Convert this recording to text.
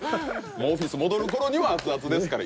もうオフィス戻るころには熱々ですから。